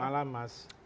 selamat malam mas